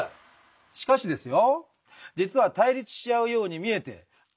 しかしですよ